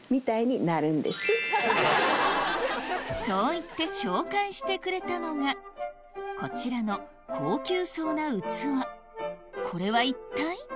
そう言って紹介してくれたのがこちらの高級そうな器これは一体？